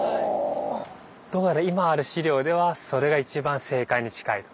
どうやら今ある資料ではそれがいちばん正解に近いと。